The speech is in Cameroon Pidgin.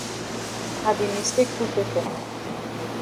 I be mistake put pepper.